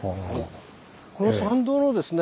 この参道のですね